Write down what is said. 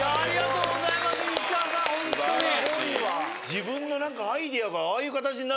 自分のアイデアがああいう形になる。